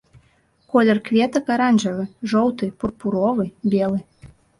Колер кветак аранжавы, жоўты, пурпуровы, белы.